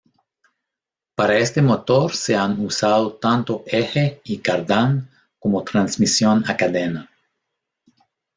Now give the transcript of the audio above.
Para este motor se han usado tanto eje y cardán como transmisión a cadena.